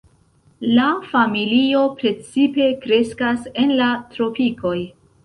La familio precipe kreskas en la tropikoj.